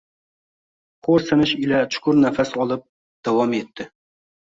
xo‘rsinish ila chuqur nafas olib, davom etdi: